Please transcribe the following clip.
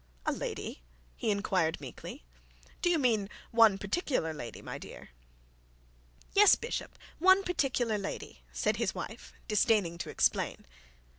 'A lady?' he inquired meekly; 'do you mean one particular lady, my dear?' 'Yes, bishop, one particular lady,' said his wife, disdaining to explain.